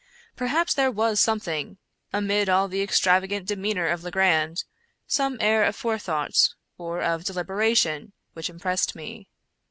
Perhaps there was something, amid all the extravagant demeanor of Legrand — some air of forethought, or of deliberation, which impressed me.